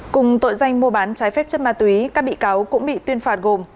cùng tội danh mua bán trái phép chất ma túy các bị cáo cũng bị tuyên phạt gồm